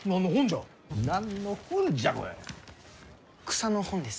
草の本です。